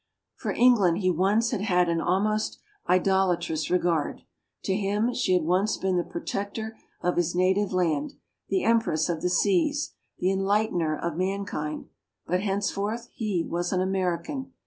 For England he once had had an almost idolatrous regard; to him she had once been the protector of his native land, the empress of the seas, the enlightener of mankind; but henceforth he was an American.